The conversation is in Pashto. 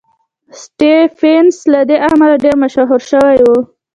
سټېفنس له دې امله ډېر مشهور شوی و.